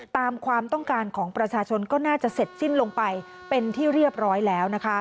ตามความต้องการของประชาชนก็น่าจะเสร็จสิ้นลงไปเป็นที่เรียบร้อยแล้วนะคะ